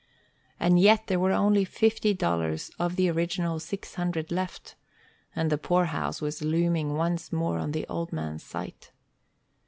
And yet there were only fifty dollars of the original six hundred left, and the poorhouse was looming once more on the old man's sight.